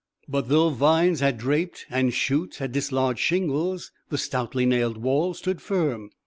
But though vines had draped, and shoots had dislodged shingles, the stoutly nailed walls stood firm.